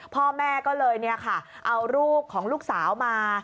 พ่อแม่ก็เลยเอารูปของลูกสาวมา